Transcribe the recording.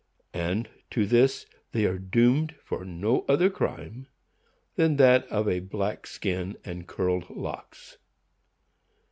And to this they are doomed for no other crime than that of a black skin and curled locks.